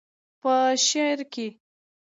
پۀ دې شعر کښې